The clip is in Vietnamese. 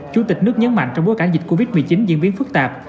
chủ tịch nước nhấn mạnh trong bối cảnh dịch covid một mươi chín diễn biến phức tạp